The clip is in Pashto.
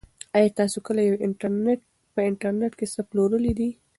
ایا تاسي کله په انټرنيټ کې څه پلورلي دي؟